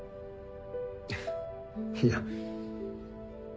いや。